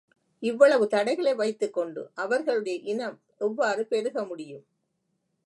இவ்வளவு தடைகளை வைத்துக்கொண்டு, அவர்களுடைய இனம் எவ்வாறு பெருக முடியும்?